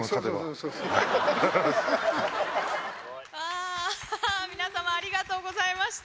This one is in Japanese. そ皆様ありがとうございました。